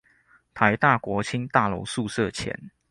臺大國青大樓宿舍前